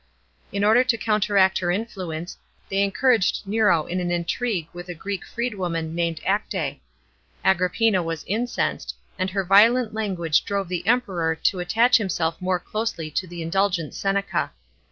In order to* counteract her influence, they encouraged Nero in an intrigue with a Greek freedwoman named Acte. Agrippina was incensed, and her violent language drove the Emperor to attach himself more closely to the indulgent Seneca.